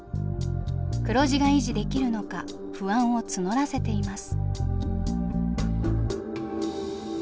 黒字が維持できるのか不安を募らせています。